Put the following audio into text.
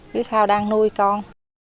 lứa sau đang nuôi con